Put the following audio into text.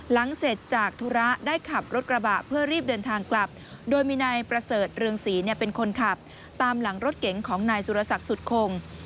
หลังจากธุระได้ขับรถกระบะเพื่อรีบเดินทางกลับโดยมีนายประเสริฐเรืองศรีเป็นคนขับตามหลังรถเก๋งของนายสุรศักดิ์สุดคง